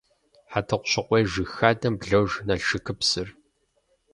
Хьэтӏохъущыкъуей жыг хадэм блож Налшыкыпсыр.